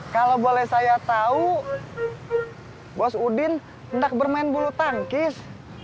kalau boleh saya tahu bos udin hendak bermain bulu tangkis